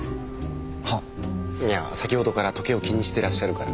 は？いや先ほどから時計を気にしてらっしゃるから。